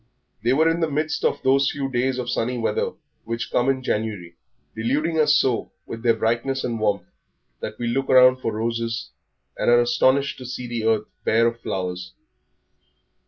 They were in the midst of those few days of sunny weather which come in January, deluding us so with their brightness and warmth that we look round for roses and are astonished to see the earth bare of flowers.